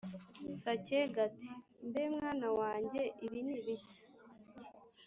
Sacyega, ati« mbe mwana wanjye ibi ni ibiki?»